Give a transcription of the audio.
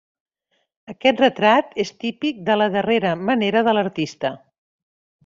Aquest retrat és típic de la darrera manera de l'artista.